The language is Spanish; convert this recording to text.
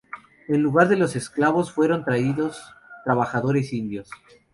En lugar de los esclavos fueron traídos trabajadores indios.